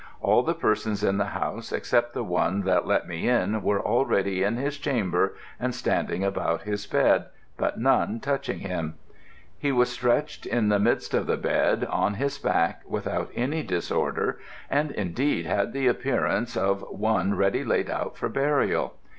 All the persons in the house except the one that let me in were already in his chamber and standing about his bed, but none touching him. He was stretched in the midst of the bed, on his back, without any disorder, and indeed had the appearance of one ready laid out for burial.